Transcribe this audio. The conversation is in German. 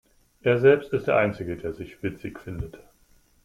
Er selbst ist der Einzige, der sich witzig findet.